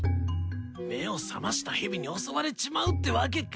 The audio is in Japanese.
目を覚ましたヘビに襲われちまうってわけか。